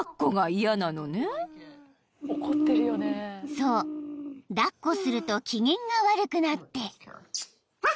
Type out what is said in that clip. ［そう抱っこすると機嫌が悪くなって］